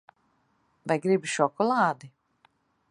Vai gribi šokolādi?